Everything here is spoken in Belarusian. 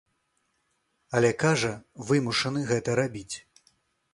Але, кажа, вымушаны гэта рабіць.